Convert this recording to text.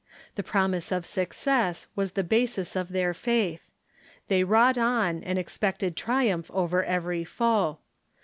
The laromise of success was the basis of their faith. They wrought on, and expected triumph over every foe.